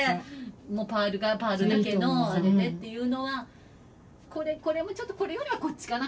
もうパールがパールだけのあれでっていうのはこれこれもちょっとこれよりはこっちかな。